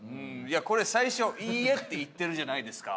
これ最初「いいえ」って言ってるじゃないですか。